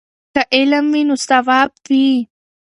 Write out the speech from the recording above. که علم وي نو ثواب وي.